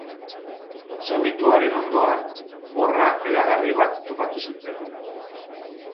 Zaurituaren ondoan, borra hedagarri bat topatu zuten.